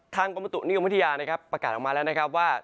กรมบุตุนิยมวิทยานะครับประกาศออกมาแล้วนะครับว่า